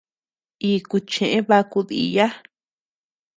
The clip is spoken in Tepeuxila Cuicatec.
Iku cheʼë baku diiya.